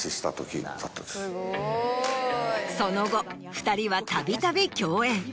その後２人はたびたび共演。